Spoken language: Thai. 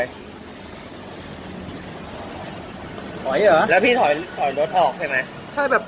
ถอยจริงเหรอแล้วพี่ถอยถอยรถออกใช่ไหม